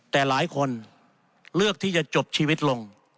แต่หลายคนเลือกที่จะจบชีวิตลง